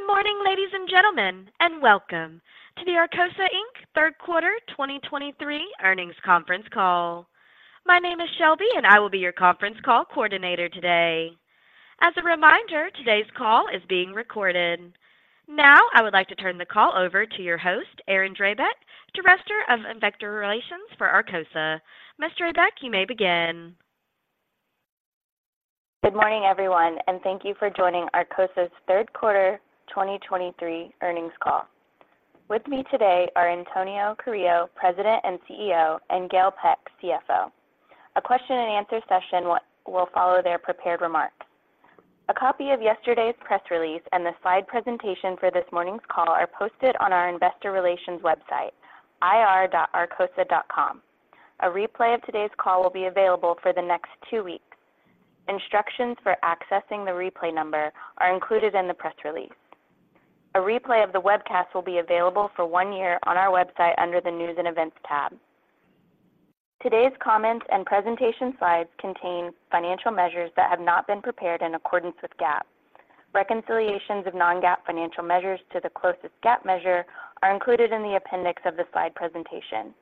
Good morning, ladies and gentlemen, and welcome to the Arcosa, Inc. Third Quarter 2023 Earnings Conference Call. My name is Shelby, and I will be your conference call coordinator today. As a reminder, today's call is being recorded. Now, I would like to turn the call over to your host, Erin Drabek, Director of Investor Relations for Arcosa. Ms. Drabek, you may begin. Good morning, everyone, and thank you for joining Arcosa's Q3 2023 earnings call. With me today are Antonio Carrillo, President and CEO, and Gail Peck, CFO. A question and answer session will follow their prepared remarks. A copy of yesterday's press release and the slide presentation for this morning's call are posted on our investor relations website, ir.arcosa.com. A replay of today's call will be available for the next 2 weeks. Instructions for accessing the replay number are included in the press release. A replay of the webcast will be available for 1 year on our website under the News and Events tab. Today's comments and presentation slides contain financial measures that have not been prepared in accordance with GAAP. Reconciliations of non-GAAP financial measures to the closest GAAP measure are included in the appendix of the slide presentation.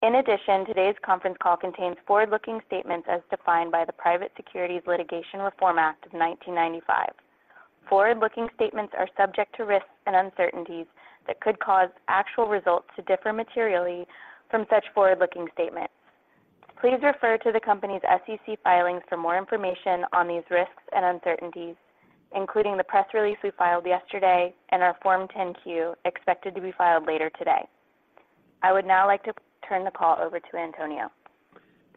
In addition, today's conference call contains forward-looking statements as defined by the Private Securities Litigation Reform Act of 1995. Forward-looking statements are subject to risks and uncertainties that could cause actual results to differ materially from such forward-looking statements. Please refer to the company's SEC filings for more information on these risks and uncertainties, including the press release we filed yesterday and our Form 10-Q, expected to be filed later today. I would now like to turn the call over to Antonio.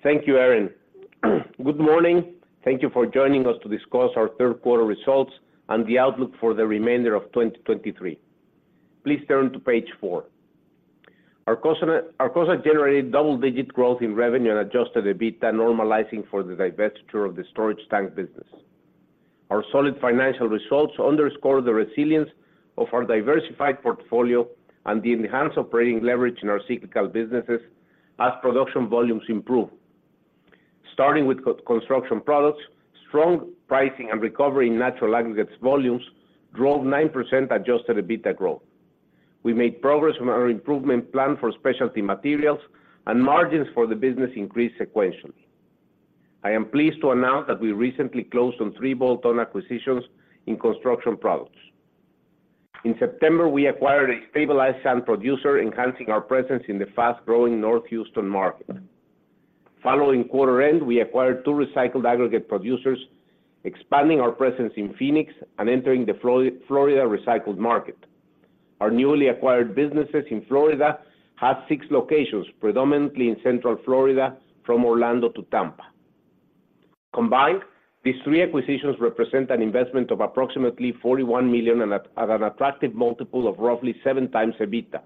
Thank you, Erin. Good morning. Thank you for joining us to discuss our third quarter results and the outlook for the remainder of 2023. Please turn to page 4. Arcosa, Arcosa generated double-digit growth in revenue and Adjusted EBITDA, normalizing for the divestiture of the storage tank business. Our solid financial results underscore the resilience of our diversified portfolio and the enhanced operating leverage in our cyclical businesses as production volumes improve. Starting with Construction Products, strong pricing and recovery in natural aggregates volumes drove 9% Adjusted EBITDA growth. We made progress on our improvement plan for specialty materials, and margins for the business increased sequentially. I am pleased to announce that we recently closed on 3 bolt-on acquisitions in Construction Products. In September, we acquired a stabilized sand producer, enhancing our presence in the fast-growing North Houston market. Following quarter end, we acquired two recycled aggregate producers, expanding our presence in Phoenix and entering the Florida recycled market. Our newly acquired businesses in Florida have six locations, predominantly in Central Florida, from Orlando to Tampa. Combined, these three acquisitions represent an investment of approximately $41 million at an attractive multiple of roughly 7x EBITDA.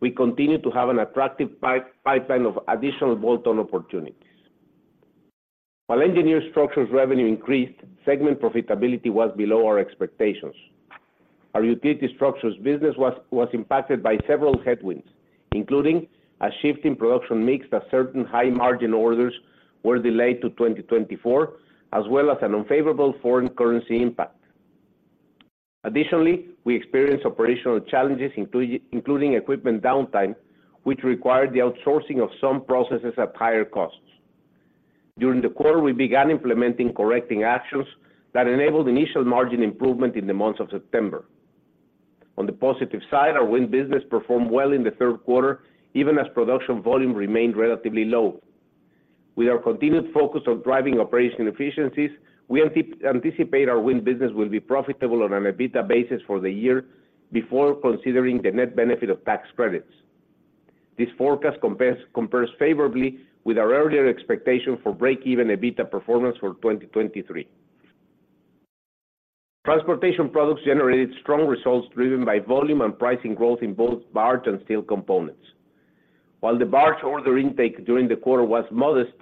We continue to have an attractive pipeline of additional bolt-on opportunities. While Engineered Structures revenue increased, segment profitability was below our expectations. Our utility structures business was impacted by several headwinds, including a shift in production mix as certain high-margin orders were delayed to 2024, as well as an unfavorable foreign currency impact. Additionally, we experienced operational challenges, including equipment downtime, which required the outsourcing of some processes at higher costs. During the quarter, we began implementing correcting actions that enabled initial margin improvement in the month of September. On the positive side, our wind business performed well in the Q3, even as production volume remained relatively low. With our continued focus on driving operational efficiencies, we anticipate our wind business will be profitable on an EBITDA basis for the year before considering the net benefit of tax credits. This forecast compares favourably with our earlier expectation for break-even EBITDA performance for 2023. Transportation products generated strong results, driven by volume and pricing growth in both barge and steel components. While the barge order intake during the quarter was modest,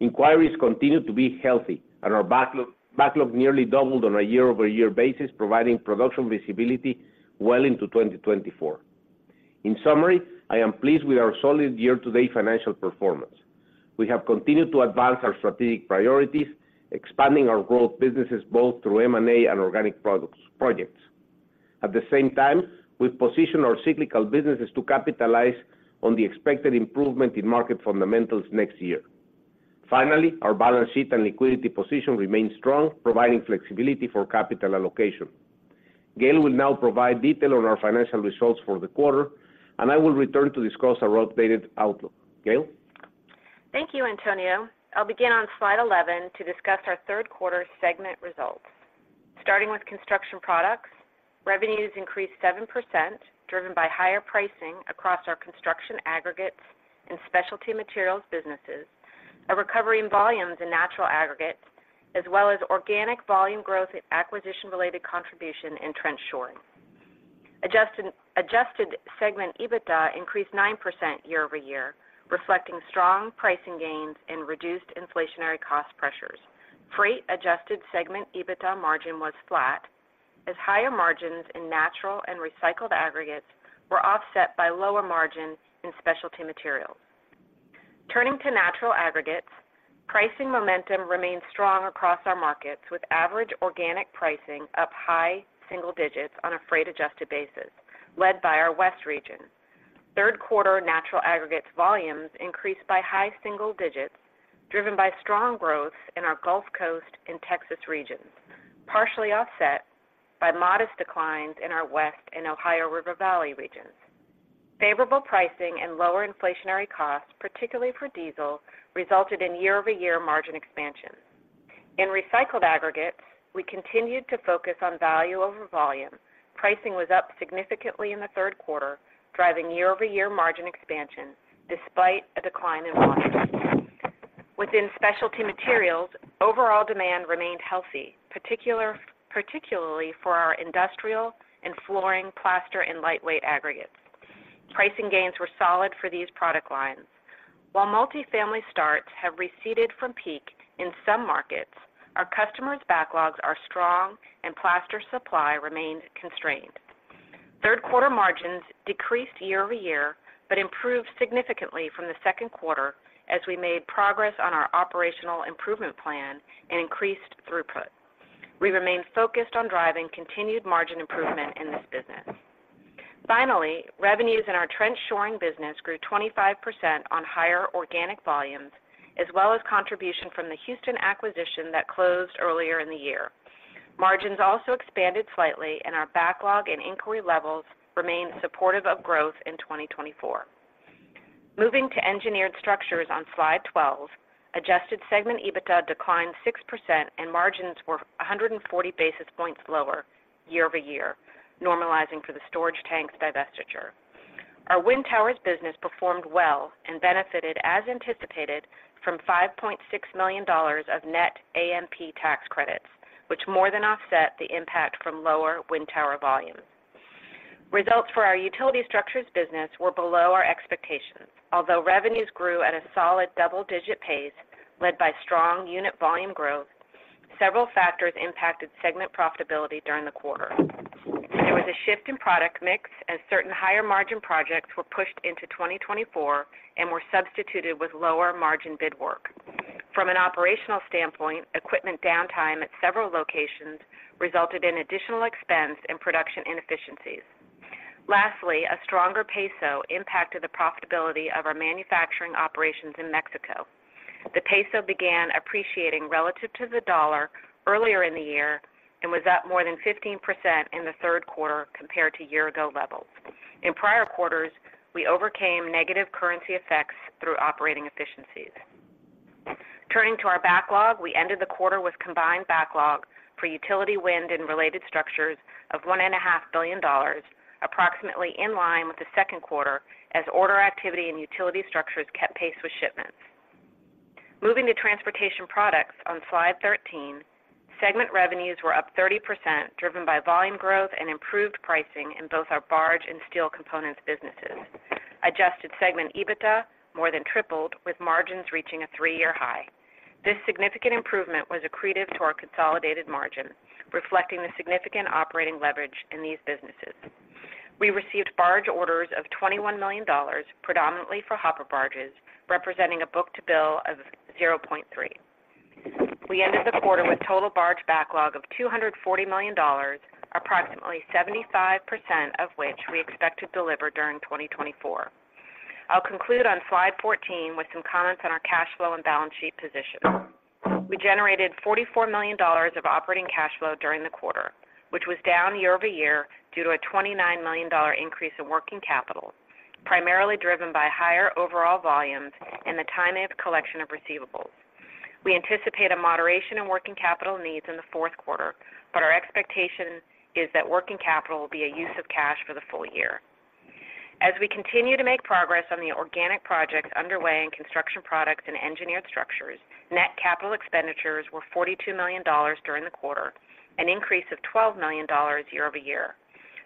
inquiries continued to be healthy, and our backlog nearly doubled on a year-over-year basis, providing production visibility well into 2024. In summary, I am pleased with our solid year-to-date financial performance. We have continued to advance our strategic priorities, expanding our growth businesses both through M&A and organic projects. At the same time, we've positioned our cyclical businesses to capitalize on the expected improvement in market fundamentals next year. Finally, our balance sheet and liquidity position remain strong, providing flexibility for capital allocation. Gail will now provide detail on our financial results for the quarter, and I will return to discuss our updated outlook. Gail? Thank you, Antonio. I'll begin on slide 11 to discuss our third quarter segment results. Starting with Construction Products, revenues increased 7%, driven by higher pricing across our construction aggregates and specialty materials businesses, a recovery in volumes in natural aggregates, as well as organic volume growth and acquisition-related contribution in trench shoring. Adjusted segment EBITDA increased 9% year-over-year, reflecting strong pricing gains and reduced inflationary cost pressures. Freight-adjusted segment EBITDA margin was flat, as higher margins in natural and recycled aggregates were offset by lower margins in specialty materials. Turning to natural aggregates, pricing momentum remains strong across our markets, with average organic pricing up high single digits on a freight-adjusted basis, led by our West region. Third quarter natural aggregates volumes increased by high single digits, driven by strong growth in our Gulf Coast and Texas regions, partially offset by modest declines in our West and Ohio River Valley regions. Favorable pricing and lower inflationary costs, particularly for diesel, resulted in year-over-year margin expansion. In recycled aggregates, we continued to focus on value over volume. Pricing was up significantly in the third quarter, driving year-over-year margin expansion despite a decline in volumes. Within specialty materials, overall demand remained healthy, particularly for our industrial and flooring, plaster, and lightweight aggregates. Pricing gains were solid for these product lines. While multifamily starts have receded from peak in some markets, our customers' backlogs are strong and plaster supply remains constrained. Third quarter margins decreased year-over-year, but improved significantly from the second quarter as we made progress on our operational improvement plan and increased throughput. We remain focused on driving continued margin improvement in this business. Finally, revenues in our trench shoring business grew 25% on higher organic volumes, as well as contributions from the Houston acquisition that closed earlier in the year. Margins also expanded slightly, and our backlog and inquiry levels remained supportive of growth in 2024. Moving to engineered structures on Slide 12, adjusted segment EBITDA declined 6% and margins were 140 basis points lower year-over-year, normalizing for the storage tanks divestiture. Our wind towers business performed well and benefited as anticipated from $5.6 million of net AMP tax credits, which more than offset the impact from lower wind tower volumes. Results for our utility structures business were below our expectations. Although revenues grew at a solid double-digit pace, led by strong unit volume growth, several factors impacted segment profitability during the quarter. There was a shift in product mix, as certain higher-margin projects were pushed into 2024 and were substituted with lower-margin bid work. From an operational standpoint, equipment downtime at several locations resulted in additional expense and production inefficiencies. Lastly, a stronger peso impacted the profitability of our manufacturing operations in Mexico. The peso began appreciating relative to the US dollar earlier in the year and was up more than 15% in the third quarter compared to year ago levels. In prior quarters, we overcame negative currency effects through operating efficiencies. Turning to our backlog, we ended the quarter with combined backlog for utility, wind, and related structures of $1.5 billion, approximately in line with the second quarter, as order activity and utility structures kept pace with shipments. Moving to Transportation Products on Slide 13, segment revenues were up 30%, driven by volume growth and improved pricing in both our barge and steel components businesses. Adjusted segment EBITDA more than tripled, with margins reaching a three-year high. This significant improvement was accretive to our consolidated margin, reflecting the significant operating leverage in these businesses. We received barge orders of $21 million, predominantly for hopper barges, representing a book to bill of 0.3. We ended the quarter with total barge backlog of $240 million, approximately 75% of which we expect to deliver during 2024. I'll conclude on Slide 14 with some comments on our cash flow and balance sheet position. We generated $44 million of operating cash flow during the quarter, which was down year-over-year due to a $29 million increase in working capital, primarily driven by higher overall volumes and the timing of collection of receivables. We anticipate a moderation in working capital needs in the fourth quarter, but our expectation is that working capital will be a use of cash for the full year. As we continue to make progress on the organic projects underway in Construction Products and engineered structures, net capital expenditures were $42 million during the quarter, an increase of $12 million year-over-year.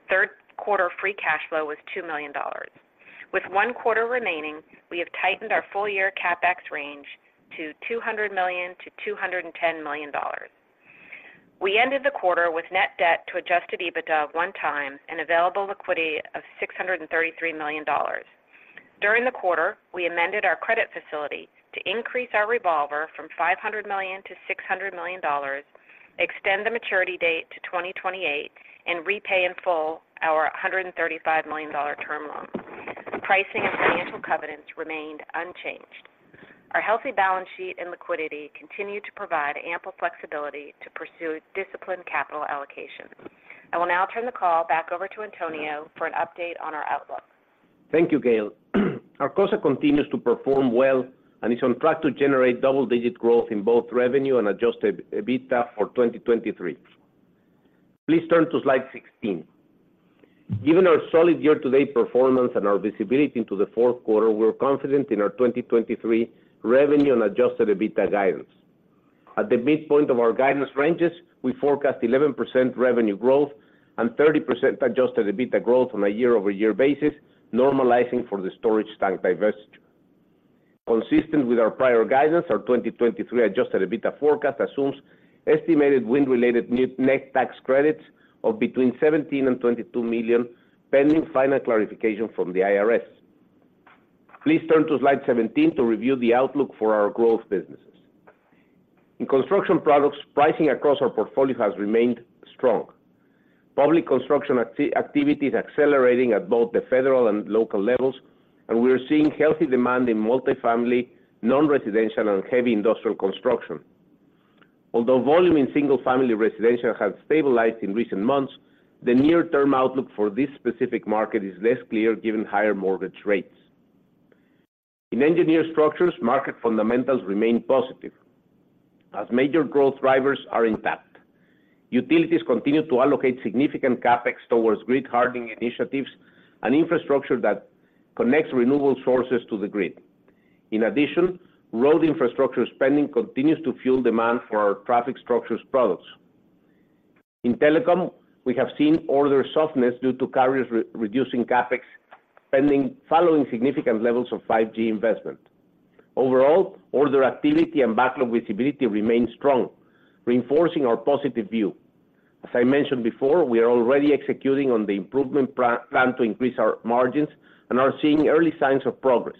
Third quarter free cash flow was $2 million. With one quarter remaining, we have tightened our full-year CapEx range to $200 million-$210 million. We ended the quarter with net debt to adjusted EBITDA 1x and available liquidity of $633 million. During the quarter, we amended our credit facility to increase our revolver from $500 million-$600 million, extend the maturity date to 2028, and repay in full our $135 million term loan. Pricing and financial covenants remained unchanged. Our healthy balance sheet and liquidity continue to provide ample flexibility to pursue disciplined capital allocation. I will now turn the call back over to Antonio for an update on our outlook. Thank you, Gail. Arcosa continues to perform well and is on track to generate double-digit growth in both revenue and Adjusted EBITDA for 2023. Please turn to Slide 16. Given our solid year-to-date performance and our visibility into the fourth quarter, we're confident in our 2023 revenue and Adjusted EBITDA guidance. At the midpoint of our guidance ranges, we forecast 11% revenue growth and 30% Adjusted EBITDA growth on a year-over-year basis, normalizing for the storage tank divestiture. Consistent with our prior guidance, our 2023 Adjusted EBITDA forecast assumes estimated wind-related net tax credits of between $17 million and $22 million, pending final clarification from the IRS. Please turn to Slide 17 to review the outlook for our growth businesses. In Construction Products, pricing across our portfolio has remained strong. Public construction activity is accelerating at both the federal and local levels, and we are seeing healthy demand in multifamily, non-residential, and heavy industrial construction. Although volume in single-family residential has stabilized in recent months, the near-term outlook for this specific market is less clear, given higher mortgage rates. In engineered structures, market fundamentals remain positive as major growth drivers are intact. Utilities continue to allocate significant CapEx towards grid hardening initiatives and infrastructure that connects renewable sources to the grid. In addition, road infrastructure spending continues to fuel demand for our traffic structures products. In telecom, we have seen order softness due to carriers reducing CapEx spending following significant levels of 5G investment. Overall, order activity and backlog visibility remain strong, reinforcing our positive view. As I mentioned before, we are already executing on the improvement plan to increase our margins and are seeing early signs of progress.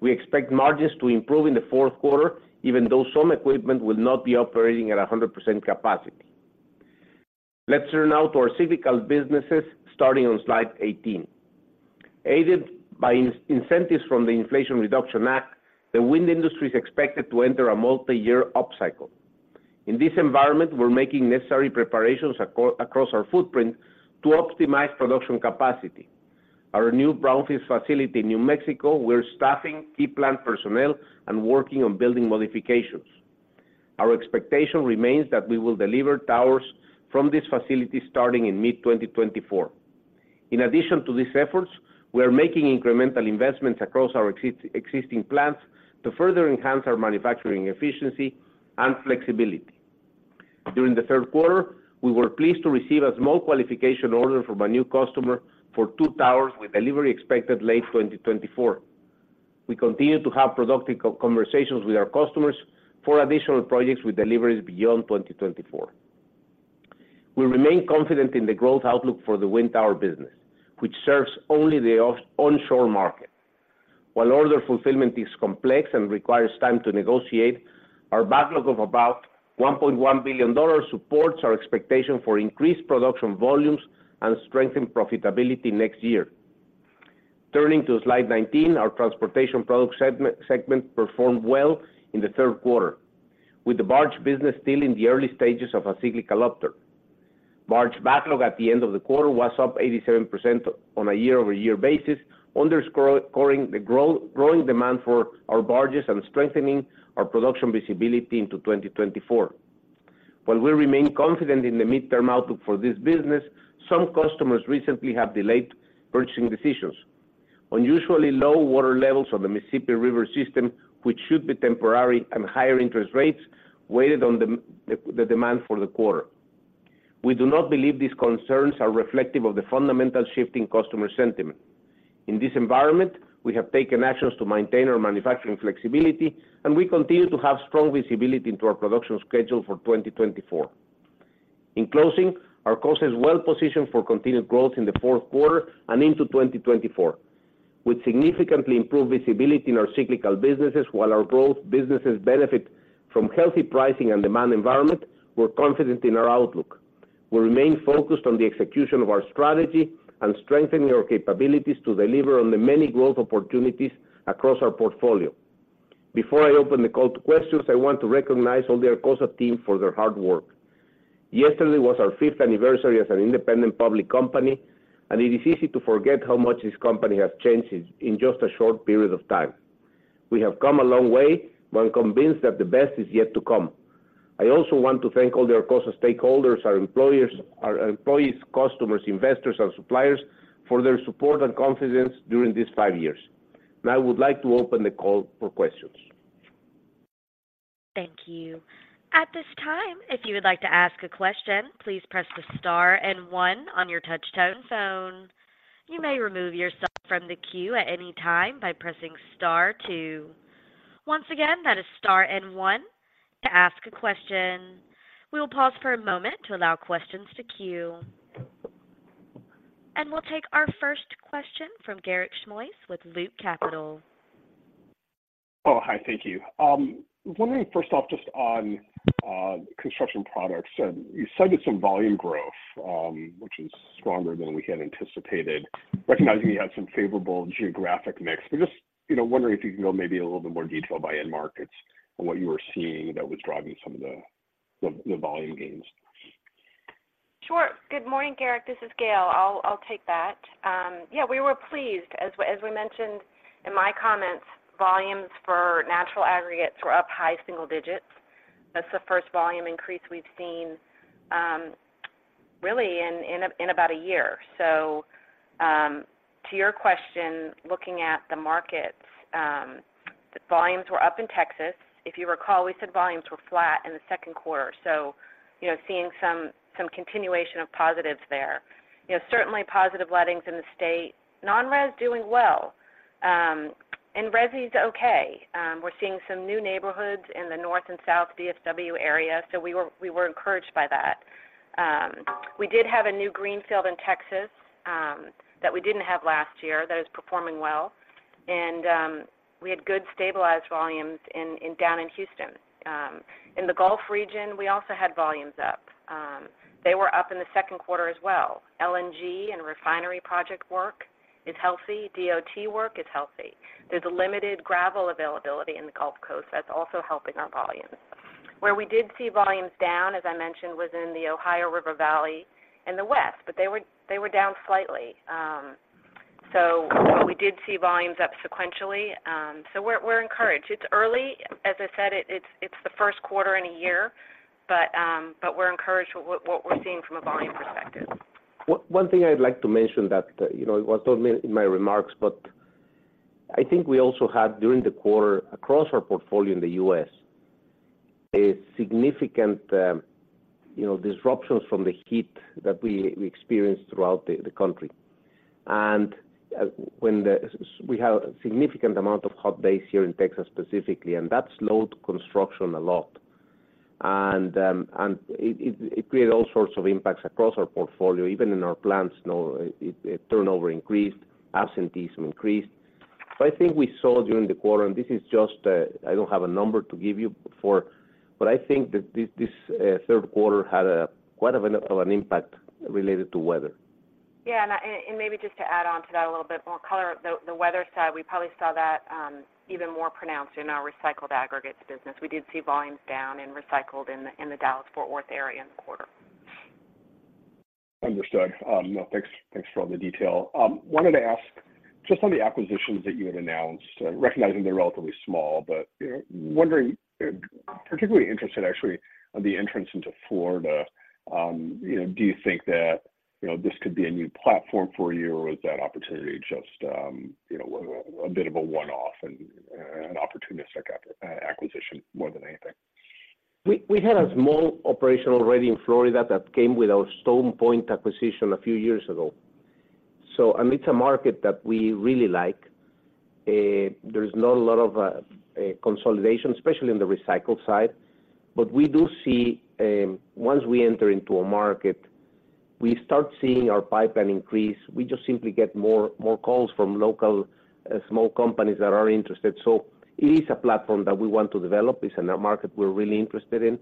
We expect margins to improve in the fourth quarter, even though some equipment will not be operating at 100% capacity. Let's turn now to our cyclical businesses, starting on slide 18. Aided by incentives from the Inflation Reduction Act, the wind industry is expected to enter a multiyear upcycle. In this environment, we're making necessary preparations across our footprint to optimize production capacity. Our new brownfield facility in New Mexico, we're staffing key plant personnel and working on building modifications. Our expectation remains that we will deliver towers from this facility starting in mid-2024. In addition to these efforts, we are making incremental investments across our existing plants to further enhance our manufacturing efficiency and flexibility. During the third quarter, we were pleased to receive a small qualification order from a new customer for two towers, with delivery expected late 2024. We continue to have productive conversations with our customers for additional projects, with deliveries beyond 2024. We remain confident in the growth outlook for the wind tower business, which serves only the onshore market. While order fulfillment is complex and requires time to negotiate, our backlog of about $1.1 billion supports our expectation for increased production volumes and strengthened profitability next year. Turning to slide 19, our transportation products segment performed well in the third quarter, with the barge business still in the early stages of a cyclical uptick. Barge backlog at the end of the quarter was up 87% on a year-over-year basis, underscoring the growing demand for our barges and strengthening our production visibility into 2024. While we remain confident in the midterm outlook for this business, some customers recently have delayed purchasing decisions. Unusually low water levels on the Mississippi River system, which should be temporary, and higher interest rates, weighed on the demand for the quarter. We do not believe these concerns are reflective of the fundamental shift in customer sentiment. In this environment, we have taken actions to maintain our manufacturing flexibility, and we continue to have strong visibility into our production schedule for 2024. In closing, Arcosa is well positioned for continued growth in the fourth quarter and into 2024. With significantly improved visibility in our cyclical businesses, while our growth businesses benefit from healthy pricing and demand environment, we're confident in our outlook. We remain focused on the execution of our strategy and strengthening our capabilities to deliver on the many growth opportunities across our portfolio. Before I open the call to questions, I want to recognize all the Arcosa team for their hard work. Yesterday was our fifth anniversary as an independent public company, and it is easy to forget how much this company has changed in just a short period of time. We have come a long way, but I'm convinced that the best is yet to come. I also want to thank all the Arcosa stakeholders, our employers, our employees, customers, investors, and suppliers for their support and confidence during these five years. Now, I would like to open the call for questions. Thank you. At this time, if you would like to ask a question, please press the star and one on your touchtone phone. You may remove yourself from the queue at any time by pressing star two. Once again, that is star and one to ask a question. We will pause for a moment to allow questions to queue. We'll take our first question from Garik Shmois with Loop Capital. Oh, hi. Thank you. Was wondering, first off, just on Construction Products, you cited some volume growth, which is stronger than we had anticipated, recognizing you had some favorable geographic mix. But just, you know, wondering if you can go maybe a little bit more detail by end markets and what you were seeing that was driving some of the volume gains? Sure. Good morning, Garik. This is Gail. I'll, I'll take that. Yeah, we were pleased. As we, as we mentioned in my comments, volumes for natural aggregates were up high single digits. That's the first volume increase we've seen, really in, in, in about a year. So, to your question, looking at the markets, the volumes were up in Texas. If you recall, we said volumes were flat in the second quarter, so, you know, seeing some, some continuation of positives there. You know, certainly positive lettings in the state. Non-res doing well, and resi is okay. We're seeing some new neighborhoods in the North and South DFW area, so we were, we were encouraged by that. we did have a new greenfield in Texas, that we didn't have last year, that is performing well. We had good stabilized volumes down in Houston. In the Gulf region, we also had volumes up. They were up in the second quarter as well. LNG and refinery project work is healthy. DOT work is healthy. There's a limited gravel availability in the Gulf Coast that's also helping our volumes. Where we did see volumes down, as I mentioned, was in the Ohio River Valley and the West, but they were down slightly. So but we did see volumes up sequentially, so we're encouraged. It's early. As I said, it's the first quarter in a year, but we're encouraged with what we're seeing from a volume perspective. One thing I'd like to mention that, you know, it was told me in my remarks, but I think we also had, during the quarter, across our portfolio in the U.S., a significant, you know, disruptions from the heat that we experienced throughout the country. And when we had a significant amount of hot days here in Texas, specifically, and that slowed construction a lot. And it created all sorts of impacts across our portfolio, even in our plants, you know, it turnover increased, absenteeism increased. But I think we saw during the quarter, and this is just, I don't have a number to give you for, but I think that this third quarter had quite of an impact related to weather. Yeah, and maybe just to add on to that a little bit more color, the weather side, we probably saw that even more pronounced in our recycled aggregates business. We did see volumes down in recycled in the Dallas-Fort Worth area in the quarter. Understood. No, thanks, thanks for all the detail. Wanted to ask just on the acquisitions that you had announced, recognizing they're relatively small, but wondering, particularly interested actually on the entrance into Florida, you know, do you think that, you know, this could be a new platform for you, or is that opportunity just, you know, a bit of a one-off and an opportunistic acquisition more than anything? We had a small operation already in Florida that came with our StonePoint acquisition a few years ago. So and it's a market that we really like. There's not a lot of consolidation, especially in the recycled side, but we do see, once we enter into a market, we start seeing our pipeline increase. We just simply get more calls from local small companies that are interested. So it is a platform that we want to develop. It's in a market we're really interested in,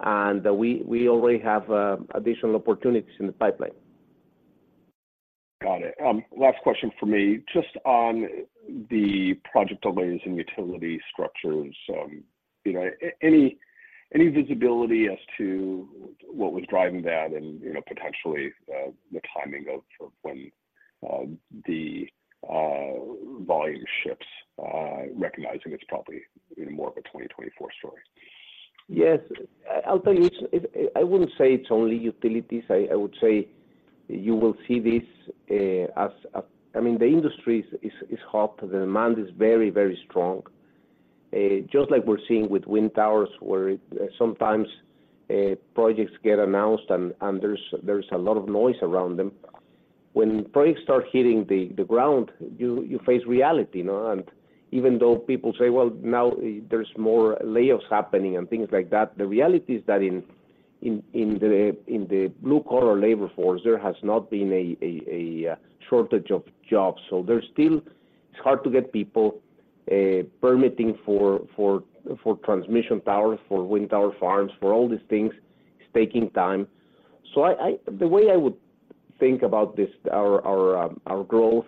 and we already have additional opportunities in the pipeline. Got it. Last question for me, just on the project delays in utility structures. You know, any visibility as to what was driving that and, you know, potentially, the timing of when the volume shifts, recognizing it's probably more of a 2024 story? Yes. I'll tell you, it's-- I wouldn't say it's only utilities. I would say you will see this as a... I mean, the industry is hot. The demand is very, very strong. Just like we're seeing with wind towers, where sometimes projects get announced, and there's a lot of noise around them. When projects start hitting the ground, you face reality, you know? And even though people say, "Well, now there's more layoffs happening," and things like that, the reality is that in the blue-collar labor force, there has not been a shortage of jobs. So there's still-- it's hard to get people permitting for transmission towers, for wind tower farms, for all these things. It's taking time. So the way I would think about this, our growth,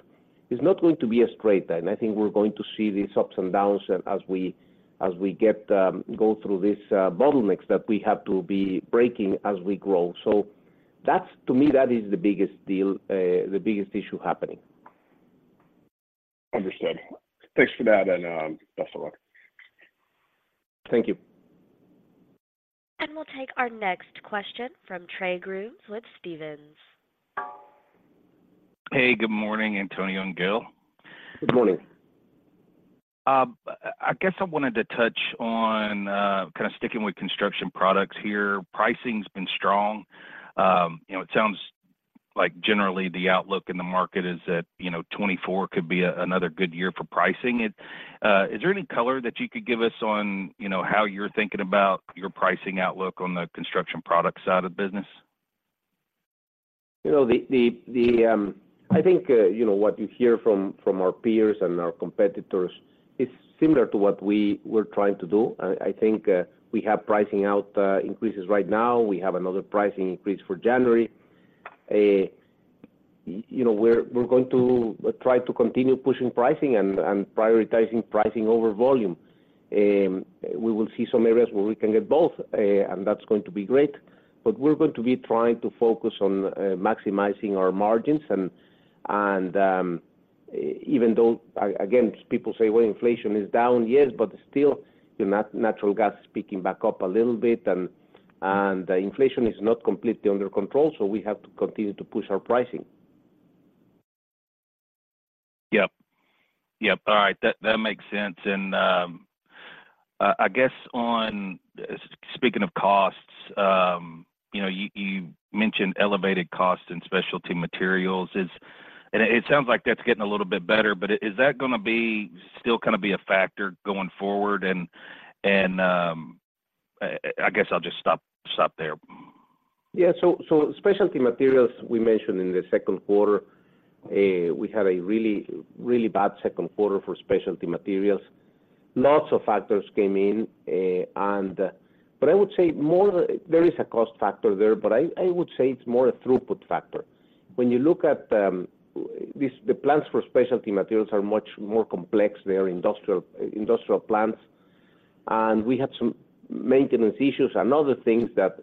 is not going to be a straight line. I think we're going to see these ups and downs and go through these bottlenecks that we have to be breaking as we grow. So that's, to me, that is the biggest deal, the biggest issue happening. Understood. Thanks for that, and, best of luck. Thank you. We'll take our next question from Trey Grooms with Stephens. Hey, good morning, Antonio and Gail. Good morning. I guess I wanted to touch on, kind of sticking with Construction Products here. Pricing's been strong. You know, it sounds like generally the outlook in the market is that, you know, 2024 could be another good year for pricing. Is there any color that you could give us on, you know, how you're thinking about your pricing outlook on the Construction Product side of the business? You know, I think, you know, what you hear from our peers and our competitors is similar to what we were trying to do. I think we have pricing increases right now. We have another pricing increase for January. You know, we're going to try to continue pushing pricing and prioritizing pricing over volume. We will see some areas where we can get both and that's going to be great, but we're going to be trying to focus on maximizing our margins. Even though, again, people say, "Well, inflation is down," yes, but still, you know, natural gas is picking back up a little bit, and inflation is not completely under control, so we have to continue to push our pricing. Yep. Yep, all right. That makes sense. And I guess, speaking of costs, you know, you mentioned elevated costs in specialty materials. And it sounds like that's getting a little bit better, but is that gonna be still gonna be a factor going forward? And I guess I'll just stop there. Yeah, so, so specialty materials, we mentioned in the second quarter, we had a really, really bad second quarter for specialty materials. Lots of factors came in, but I would say more there is a cost factor there, but I would say it's more a throughput factor. When you look at, the plants for specialty materials are much more complex. They are industrial, industrial plants, and we had some maintenance issues and other things that,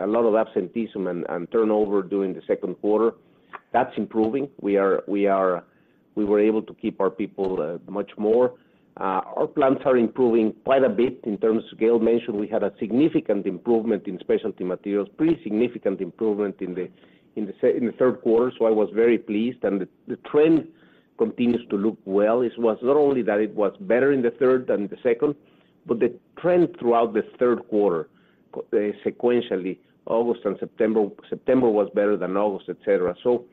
a lot of absenteeism and turnover during the second quarter. That's improving. We were able to keep our people, much more. Our plants are improving quite a bit in terms of scale. Mentioned we had a significant improvement in specialty materials, pretty significant improvement in the third quarter, so I was very pleased. And the trend continues to look well. It was not only that it was better in the third than the second, but the trend throughout the third quarter, sequentially, August and September. September was better than August, et cetera. So,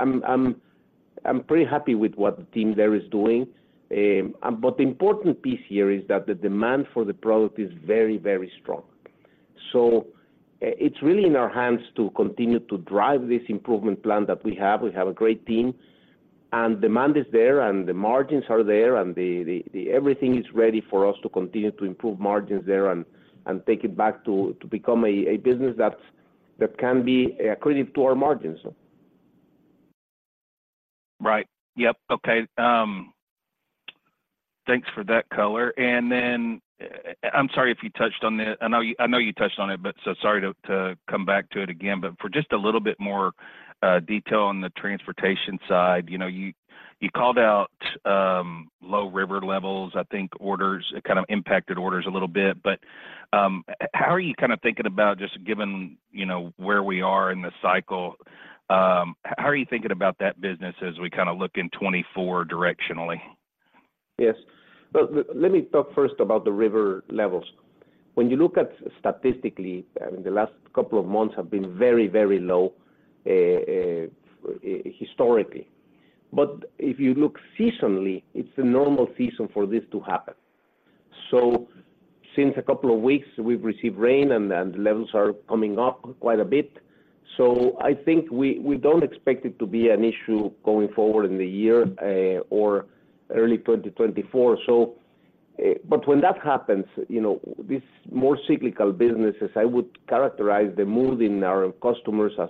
I'm pretty happy with what the team there is doing. But the important piece here is that the demand for the product is very, very strong. So it's really in our hands to continue to drive this improvement plan that we have. We have a great team, and demand is there, and the margins are there, and everything is ready for us to continue to improve margins there and take it back to become a business that can be accretive to our margins. Right. Yep. Okay, thanks for that color. And then, I'm sorry if you touched on this. I know you touched on it, but so sorry to come back to it again, but for just a little bit more detail on the transportation side. You know, you called out low river levels, I think, orders; it kind of impacted orders a little bit. But how are you kind of thinking about just given, you know, where we are in the cycle, how are you thinking about that business as we kind of look in 2024 directionally? Yes. Well, let me talk first about the river levels. When you look at statistically, and the last couple of months have been very, very low, historically, but if you look seasonally, it's a normal season for this to happen. So since a couple of weeks, we've received rain, and the levels are coming up quite a bit. So I think we don't expect it to be an issue going forward in the year, or early 2024. So, but when that happens, you know, these more cyclical businesses, I would characterize the mood in our customers as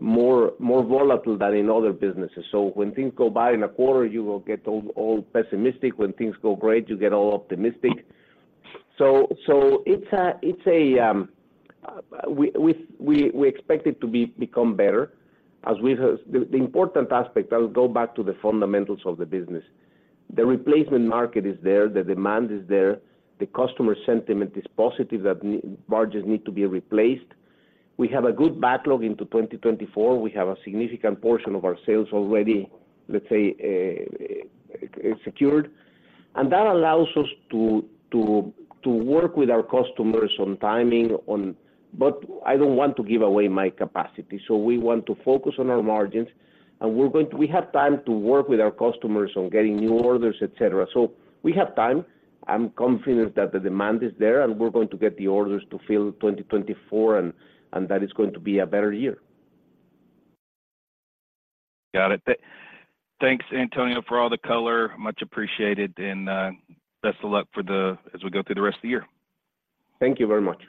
more, more volatile than in other businesses. So when things go by in a quarter, you will get all, all pessimistic. When things go great, you get all optimistic. So it's a, we expect it to become better as we have... The important aspect, I'll go back to the fundamentals of the business. The replacement market is there, the demand is there, the customer sentiment is positive, that barges need to be replaced. We have a good backlog into 2024. We have a significant portion of our sales already, let's say, secured, and that allows us to work with our customers on timing, on. But I don't want to give away my capacity. So we want to focus on our margins, and we're going to- we have time to work with our customers on getting new orders, et cetera. So we have time. I'm confident that the demand is there, and we're going to get the orders to fill 2024, and, and that is going to be a better year. Got it. Thanks, Antonio, for all the color. Much appreciated, and best of luck as we go through the rest of the year. Thank you very much.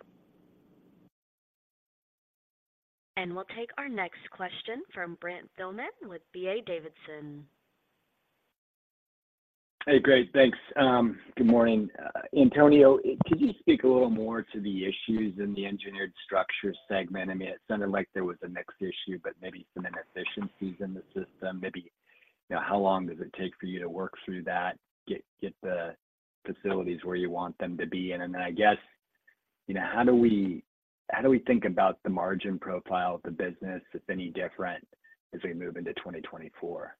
We'll take our next question from Brent Thielman with D.A. Davidson. Hey, great. Thanks. Good morning. Antonio, could you speak a little more to the issues in the engineered structure segment? I mean, it sounded like there was a mixed issue, but maybe some inefficiencies in the system. Maybe, you know, how long does it take for you to work through that, get, get the facilities where you want them to be? And then, I guess, you know, how do we, how do we think about the margin profile of the business, if any different, as we move into 2024?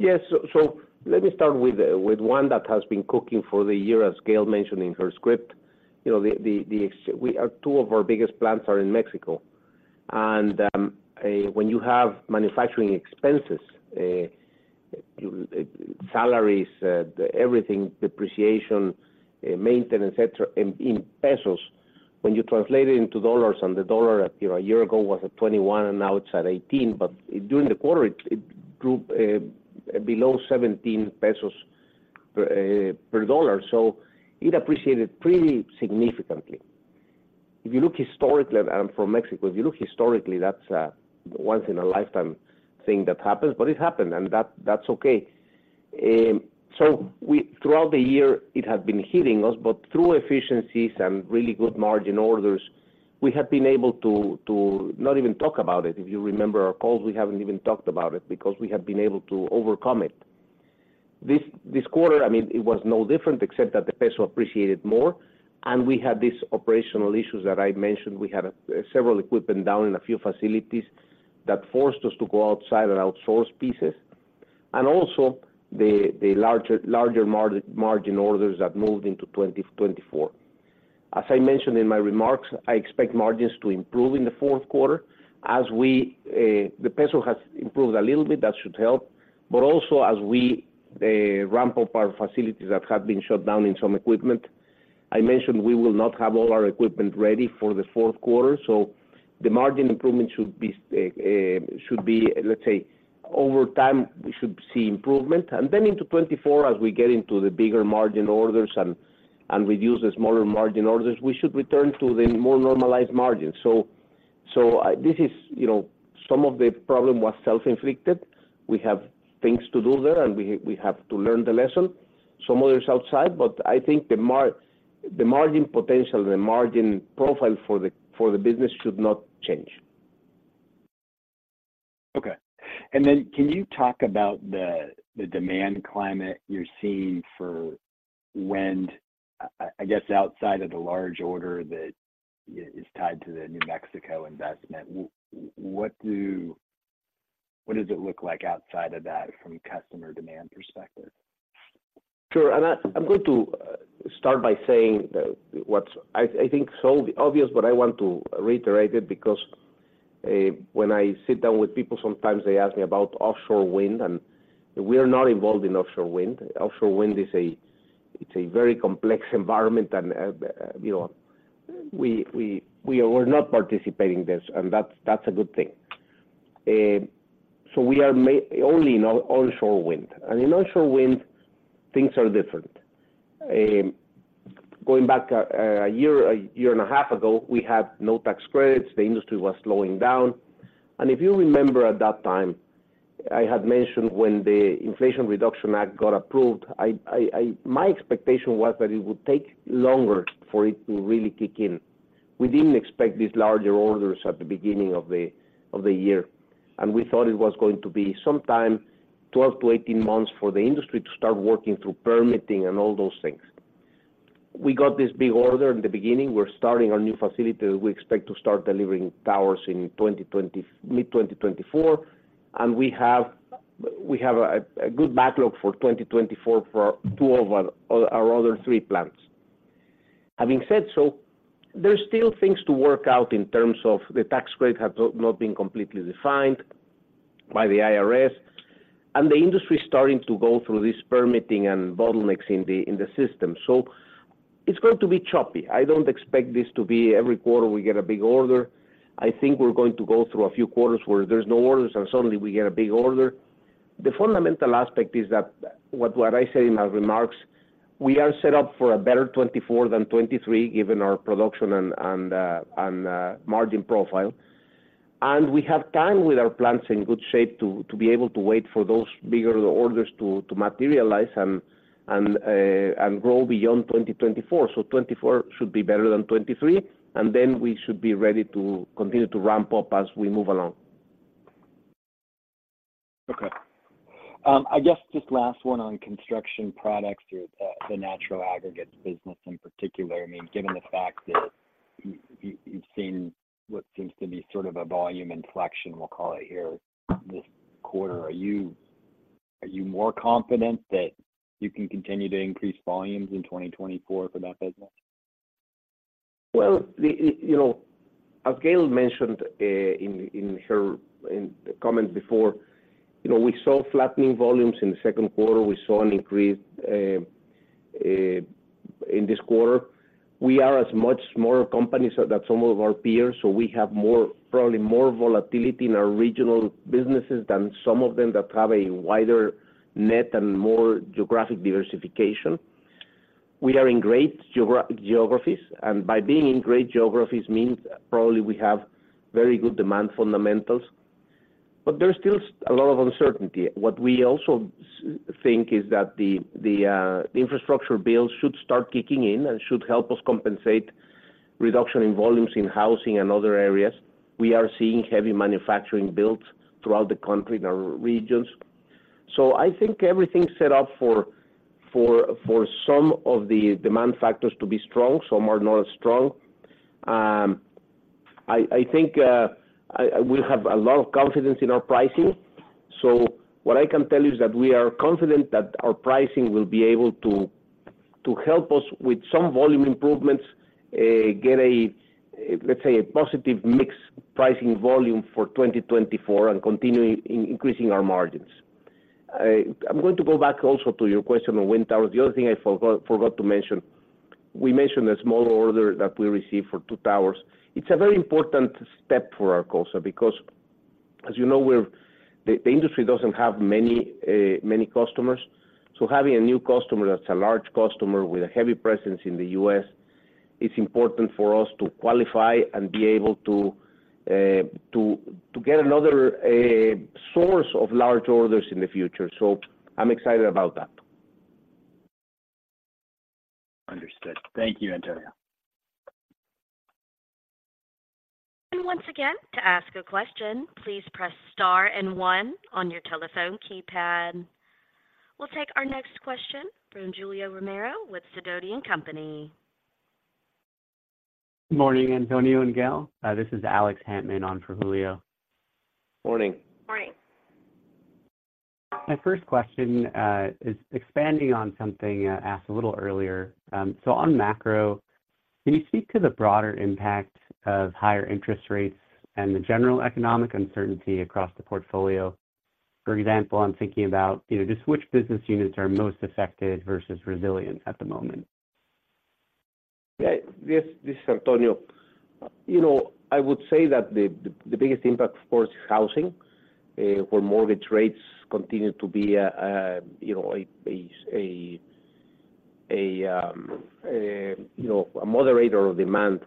Yes. So let me start with one that has been cooking for the year, as Gail mentioned in her script. You know, two of our biggest plants are in Mexico, and when you have manufacturing expenses, salaries, everything, depreciation, maintenance, et cetera, in pesos, when you translate it into dollars, and the dollar, you know, a year ago was at 21 and now it's at 18, but during the quarter, it dropped below 17 pesos per dollar, so it appreciated pretty significantly. If you look historically, and I'm from Mexico, if you look historically, that's a once in a lifetime thing that happens, but it happened, and that's okay. So throughout the year, it has been hitting us, but through efficiencies and really good margin orders, we have been able to not even talk about it. If you remember our calls, we haven't even talked about it, because we have been able to overcome it. This quarter, I mean, it was no different, except that the peso appreciated more, and we had these operational issues that I mentioned. We had several equipment down in a few facilities that forced us to go outside and outsource pieces, and also the larger margin orders that moved into 2024. As I mentioned in my remarks, I expect margins to improve in the fourth quarter as the peso has improved a little bit, that should help. But also, as we ramp up our facilities that have been shut down in some equipment, I mentioned we will not have all our equipment ready for the fourth quarter, so the margin improvement should be, should be, let's say, over time, we should see improvement. And then into 2024, as we get into the bigger margin orders and reduce the smaller margin orders, we should return to the more normalized margins. So, so, this is, you know, some of the problem was self-inflicted. We have things to do there, and we have to learn the lesson. Some others outside, but I think the margin potential, the margin profile for the business should not change. Okay. And then can you talk about the demand climate you're seeing for wind, I guess outside of the large order that is tied to the New Mexico investment, what does it look like outside of that from a customer demand perspective? Sure, and I'm going to start by saying what I think is so obvious, but I want to reiterate it because when I sit down with people, sometimes they ask me about offshore wind, and we are not involved in offshore wind. Offshore wind is a, it's a very complex environment, and you know, we were not participating in this, and that's a good thing. So we are only in onshore wind. And in onshore wind, things are different. Going back a year, a year and a half ago, we had no tax credits. The industry was slowing down. And if you remember, at that time, I had mentioned when the Inflation Reduction Act got approved, my expectation was that it would take longer for it to really kick in. We didn't expect these larger orders at the beginning of the year, and we thought it was going to be some time, 12-18 months, for the industry to start working through permitting and all those things. We got this big order in the beginning. We're starting our new facility. We expect to start delivering towers in mid-2024, and we have a good backlog for 2024 for two of our other three plants. Having said so, there are still things to work out in terms of the tax rate have not been completely defined by the IRS, and the industry is starting to go through this permitting and bottlenecks in the system. So it's going to be choppy. I don't expect this to be every quarter we get a big order. I think we're going to go through a few quarters where there's no orders and suddenly we get a big order. The fundamental aspect is that what I said in my remarks, we are set up for a better 2024 than 2023, given our production and margin profile. And we have time with our plants in good shape to be able to wait for those bigger orders to materialize and grow beyond 2024. So 2024 should be better than 2023, and then we should be ready to continue to ramp up as we move along. Okay. I guess just last one on Construction Products or the natural aggregates business in particular. I mean, given the fact that you've seen what seems to be sort of a volume inflection, we'll call it here, this quarter, are you more confident that you can continue to increase volumes in 2024 for that business? Well, you know, as Gail mentioned, in her comments before, you know, we saw flattening volumes in the second quarter. We saw an increase in this quarter. We are a much smaller company so than some of our peers, so we have more, probably more volatility in our regional businesses than some of them that have a wider net and more geographic diversification. We are in great geographies, and by being in great geographies means probably we have very good demand fundamentals, but there's still a lot of uncertainty. What we also think is that the infrastructure bill should start kicking in and should help us compensate reduction in volumes in housing and other areas. We are seeing heavy manufacturing builds throughout the country in our regions. So I think everything's set up for some of the demand factors to be strong, some are not as strong. I think we have a lot of confidence in our pricing. So what I can tell you is that we are confident that our pricing will be able to help us with some volume improvements, get a, let's say, a positive mix pricing volume for 2024 and continuing in increasing our margins. I'm going to go back also to your question on wind towers. The other thing I forgot to mention, we mentioned a small order that we received for two towers. It's a very important step for Arcosa because, as you know, we're the industry doesn't have many customers. So having a new customer that's a large customer with a heavy presence in the U.S. is important for us to qualify and be able to to get another source of large orders in the future. So I'm excited about that. Understood. Thank you, Antonio. And once again, to ask a question, please press star and one on your telephone keypad. We'll take our next question from Julio Romero with Sidoti & Company. Good morning, Antonio and Gail. This is Alex Hantman on for Julio. Morning. My first question is expanding on something asked a little earlier. So on macro, can you speak to the broader impact of higher interest rates and the general economic uncertainty across the portfolio? For example, I'm thinking about, you know, just which business units are most affected versus resilient at the moment. Yeah. Yes, this is Antonio. You know, I would say that the biggest impact, of course, is housing, where mortgage rates continue to be a you know a moderator of demand.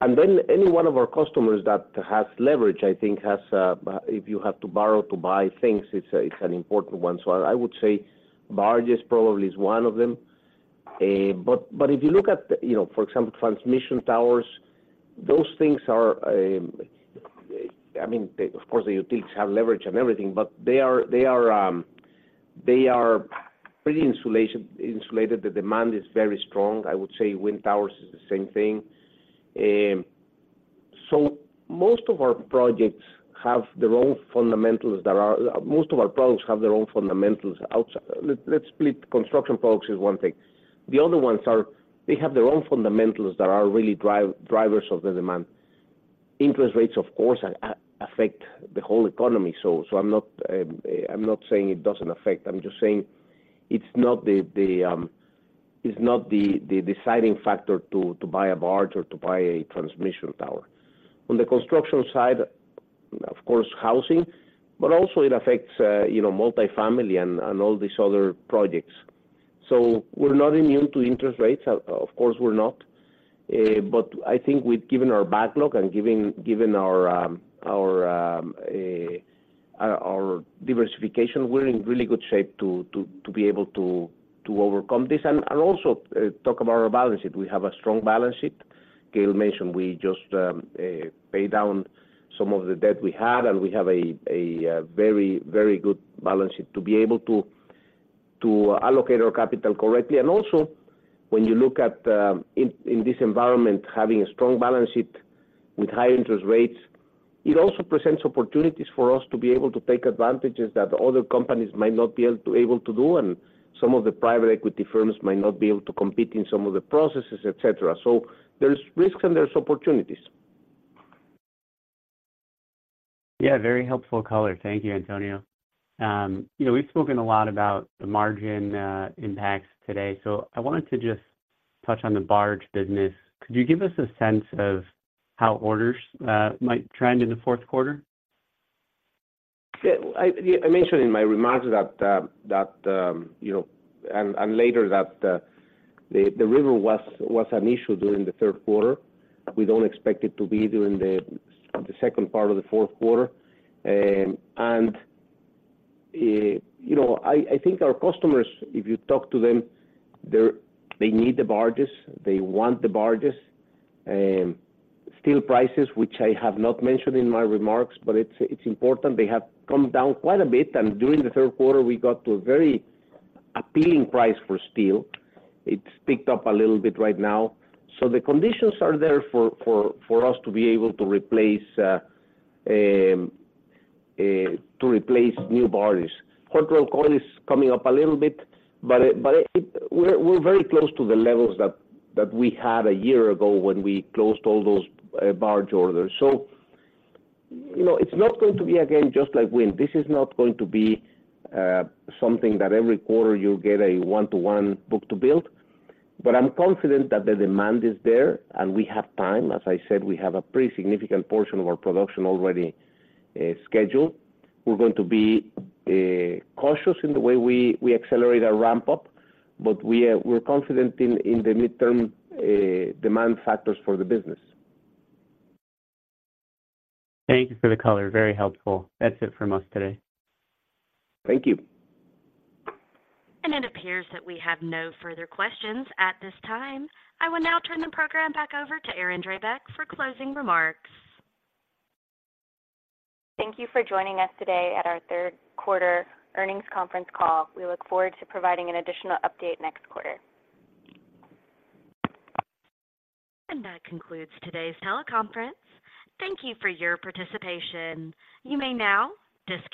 And then any one of our customers that has leverage, I think, if you have to borrow to buy things, it's an important one. So I would say barges probably is one of them. But if you look at, you know, for example, transmission towers, those things are I mean, of course, the utilities have leverage and everything, but they are pretty insulated. The demand is very strong. I would say wind towers is the same thing. So most of our projects have their own fundamentals outside. Let's split. Construction projects is one thing. The other ones are, they have their own fundamentals that are really drivers of the demand. Interest rates, of course, affect the whole economy, so I'm not saying it doesn't affect. I'm just saying it's not the deciding factor to buy a barge or to buy a transmission tower. On the construction side, of course, housing, but also it affects, you know, multifamily and all these other projects. So we're not immune to interest rates. Of course, we're not. But I think, given our backlog and given our diversification, we're in really good shape to be able to overcome this. And also, talk about our balance sheet. We have a strong balance sheet. Gail mentioned we just paid down some of the debt we had, and we have a very, very good balance sheet to be able to allocate our capital correctly. And also, when you look at, in this environment, having a strong balance sheet with high interest rates, it also presents opportunities for us to be able to take advantages that other companies might not be able to do, and some of the private equity firms might not be able to compete in some of the processes, et cetera. There's risks and there's opportunities. Yeah, very helpful color. Thank you, Antonio. You know, we've spoken a lot about the margin impacts today, so I wanted to just touch on the barge business. Could you give us a sense of how orders might trend in the fourth quarter? Yeah, I mentioned in my remarks that, you know, and later that, the river was an issue during the third quarter. We don't expect it to be during the second part of the fourth quarter. And, you know, I think our customers, if you talk to them, they're, they need the barges, they want the barges. Steel prices, which I have not mentioned in my remarks, but it's important, they have come down quite a bit, and during the third quarter, we got to a very appealing price for steel. It's picked up a little bit right now. So the conditions are there for us to be able to replace new barges. Hot Rolled Coil is coming up a little bit, but it. We're very close to the levels that we had a year ago when we closed all those barge orders. So, you know, it's not going to be, again, just like wind. This is not going to be something that every quarter you get a 1:1 book-to-bill, but I'm confident that the demand is there, and we have time. As I said, we have a pretty significant portion of our production already scheduled. We're going to be cautious in the way we accelerate our ramp-up, but we are confident in the midterm demand factors for the business. Thank you for the color. Very helpful. That's it from us today. Thank you. And it appears that we have no further questions at this time. I will now turn the program back over to Erin Drabek for closing remarks. Thank you for joining us today at our third quarter earnings conference call. We look forward to providing an additional update next quarter. That concludes today's teleconference. Thank you for your participation. You may now disconnect.